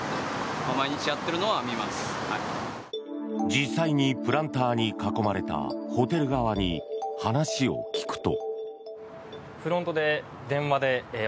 実際にプランターに囲まれたホテル側に話を聞くと。